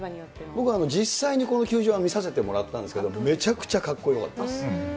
僕実際にこの球場、見させてもらったんですけど、めちゃくちゃかっこよかったです。